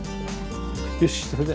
よしそれで。